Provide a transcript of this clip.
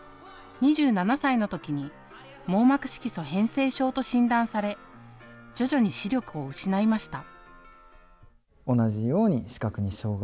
２７歳の時に網膜色素変性症と診断され徐々に視力を失いました。